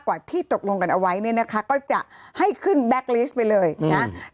กว่าที่ตกลงกันเอาไว้เนี่ยนะคะก็จะให้ขึ้นแบ็คลิสต์ไปเลยนะ